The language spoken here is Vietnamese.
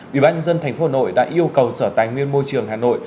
bị bán nhân dân thành phố hà nội đã yêu cầu sở tài nguyên môi trường hà nội